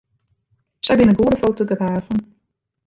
Sy binne goede fotografen.